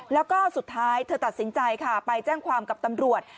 แล้วก็สุดท้ายเธอตัดสินใจค่ะไปแจ้งความกับตำรวจ